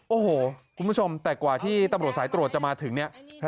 โอ้โหคุณผู้ชมแต่กว่าที่ตำรวจสายตรวจจะมาถึงเนี่ย